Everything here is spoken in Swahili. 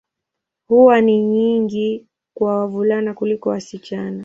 Huwa ni nyingi kwa wavulana kuliko wasichana.